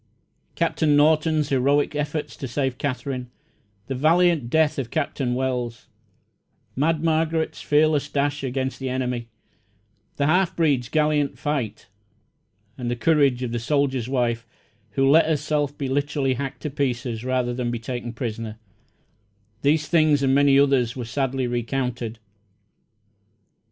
Doctor Norton's heroic efforts to save Katherine, the valiant death of Captain Wells, Mad Margaret's fearless dash against the enemy, the half breed's gallant fight, and the courage of the soldier's wife, who let herself be literally hacked to pieces rather than be taken prisoner these things and many others were sadly recounted.